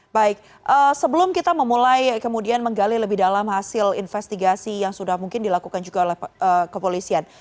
baik sebelum kita memulai kemudian menggali lebih dalam hasil investigasi yang sudah mungkin dilakukan juga oleh kepolisian